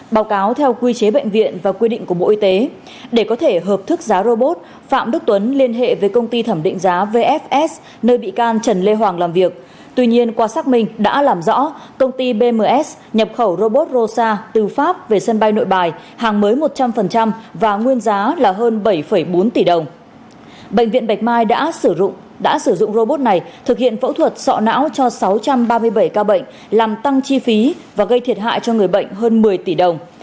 bệnh viện bạch mai đã thực hiện phẫu thuật sọ não cho sáu trăm ba mươi bảy ca bệnh làm tăng chi phí và gây thiệt hại cho người bệnh hơn một mươi tỷ đồng